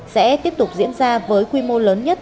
sẽ tiếp tục diễn ra với quy mô lớn nhất